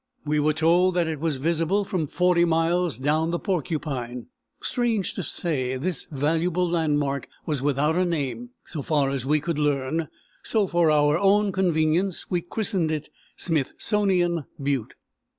We were told that it was visible from 40 miles down the Porcupine. Strange to say, this valuable landmark was without a name, so far as we could learn; so, for our own convenience, we christened it Smithsonian Butte.